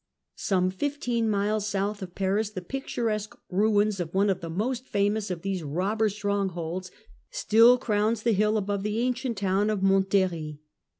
Some fifteen miles south of Paris the picturesque ruins of one of the most famous of these robber strongholds still crowns the hill above the ancient town of Montlhery.